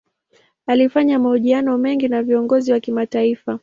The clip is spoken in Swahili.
Alifanya mahojiano mengi na viongozi wa kimataifa.